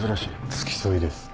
付き添いです。